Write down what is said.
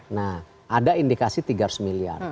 nah ada indikasi tiga ratus miliar